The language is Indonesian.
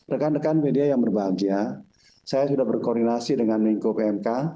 rekan rekan media yang berbahagia saya sudah berkoordinasi dengan menko pmk